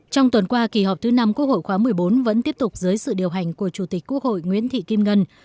trong tuần qua kỳ họp thứ năm quốc hội khóa một mươi bốn vẫn tiếp tục dưới sự điều hành của chủ tịch quốc hội nguyễn thị kim ngân